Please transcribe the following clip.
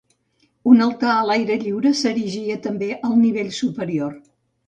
Un altar a l'aire lliure s'erigia també al nivell superior.